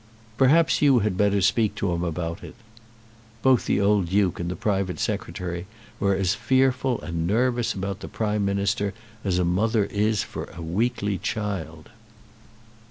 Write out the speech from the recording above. "Perhaps you had better speak to him about it." Both the old Duke and the private Secretary were as fearful and nervous about the Prime Minister as a mother is for a weakly child.